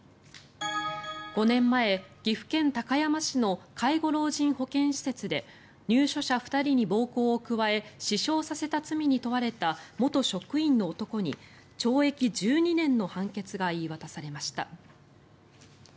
５年前、岐阜県高山市の介護老人保健施設で入所者２人に暴行を加え死傷させた罪に問われた元職員の男に懲役１２年の判決が言い渡されました。